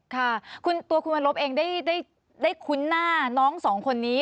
ค่ะตัวคุณวันลบเองได้คุ้นหน้าน้องสองคนนี้